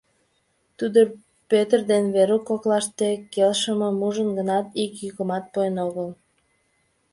Тудо Пӧтыр ден Верук коклаште келшымым ужын гынат, ик йӱкымат пуэн огыл.